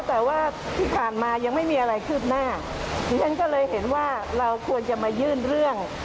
แต่ว่าที่ผ่านมายังไม่มีอะไรคืบหน้าดิฉันก็เลยเห็นว่าเราควรจะมายื่นเรื่อง